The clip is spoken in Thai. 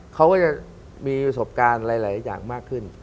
เขาก็จะมีประสบการณ์หลายอย่างมากขึ้น